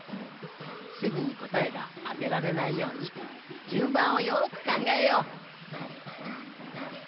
すぐにこたえがあてられないようにじゅんばんをよくかんがえよう。